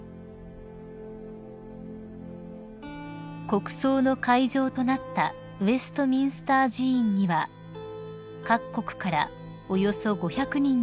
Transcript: ［国葬の会場となったウェストミンスター寺院には各国からおよそ５００人の元首や王族らが参列しました］